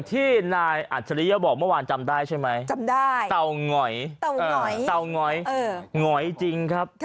ท่านพรุ่งนี้ไม่แน่ครับ